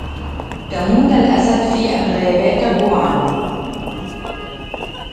تموت الأسد في الغابات جوعا